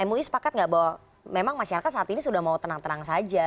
mui sepakat nggak bahwa memang masyarakat saat ini sudah mau tenang tenang saja